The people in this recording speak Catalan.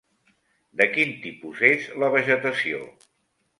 De quin tipus és la vegetació?